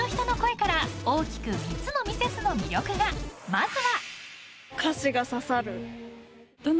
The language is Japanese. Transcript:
［まずは］